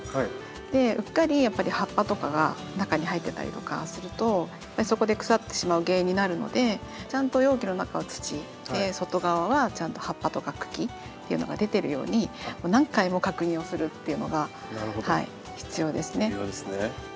でうっかりやっぱり葉っぱとかが中に入ってたりとかするとそこで腐ってしまう原因になるのでちゃんと容器の中は土外側はちゃんと葉っぱとか茎っていうのが出てるように何回も確認をするっていうのが必要ですね。